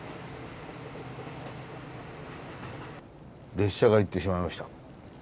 列車が行ってしまいました。